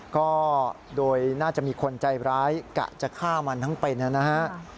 ก็โดยน่าจะมีคนใจร้ายกะจะฆ่ามันทั้งเป็นนะฮะ